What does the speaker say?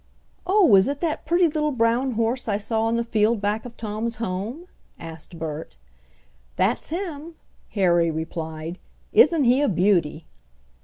"Oh, is it that pretty little brown horse I saw in the field back of Tom's home?" asked Bert. "That's him," Harry replied. "Isn't he a beauty!"